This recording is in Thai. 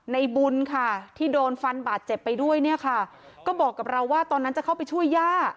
ในบุญค่ะที่โดนฟันบาดเจ็บไปด้วยเนี่ยค่ะก็บอกกับเราว่าตอนนั้นจะเข้าไปช่วยย่า